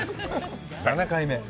７回目。